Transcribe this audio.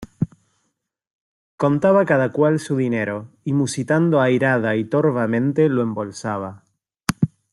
contaba cada cual su dinero, y musitando airada y torvamente lo embolsaba.